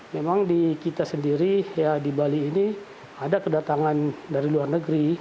memang di kita sendiri di bali ini ada kedatangan dari luar negeri